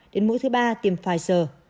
đến mũi thứ ba tiêm pfizer